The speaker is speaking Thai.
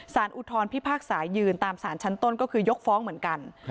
อุทธรพิพากษายืนตามสารชั้นต้นก็คือยกฟ้องเหมือนกัน